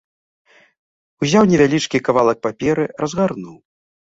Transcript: Узяў невялічкі кавалак паперы, разгарнуў.